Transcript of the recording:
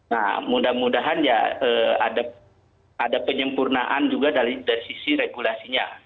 nah mudah mudahan ya ada penyempurnaan juga dari sisi regulasinya